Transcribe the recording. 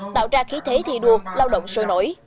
tạo ra khí thế thi đua lao động sôi nổi